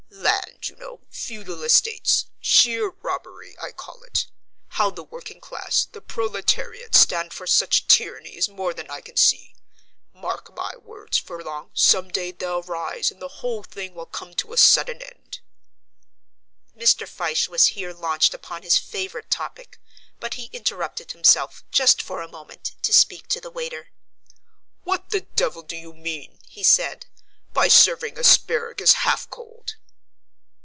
"Land, you know, feudal estates; sheer robbery, I call it. How the working class, the proletariat, stand for such tyranny is more than I can see. Mark my words, Furlong, some day they'll rise and the whole thing will come to a sudden end." Mr. Fyshe was here launched upon his favourite topic; but he interrupted himself, just for a moment, to speak to the waiter. "What the devil do you mean," he said, "by serving asparagus half cold?"